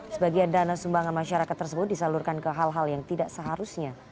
sebagian dana sumbangan masyarakat tersebut disalurkan ke hal hal yang tidak seharusnya